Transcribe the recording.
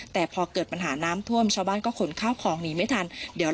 แต่พอเกิดปัญหาน้ำท่วมชาวบ้านก็ขนข้าวของหนีไม่ทันเดี๋ยว